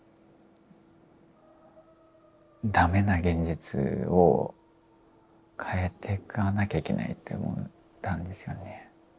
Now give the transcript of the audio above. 駄目な現実を変えていかなきゃいけないと思ったんですよね。